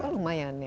oh lumayan ya